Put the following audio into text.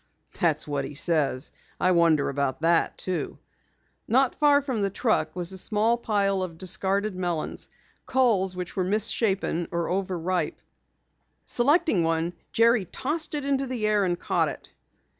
"That's what he says. I wonder about that too." Not far from the truck was a small pile of discarded melons, culls which were misshapen or over ripe. Selecting one, Jerry tossed it into the air and caught it.